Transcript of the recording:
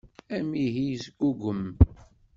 Amihi yesgugum.